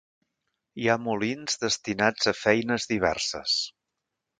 Hi ha molins destinats a feines diverses.